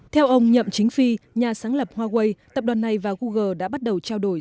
theo ông nhậm chính phi nhà sáng lập huawei tập đoàn này và google đã bắt đầu trao đổi